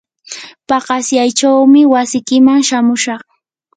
paqasyaychawmi wasikiman shamushaq.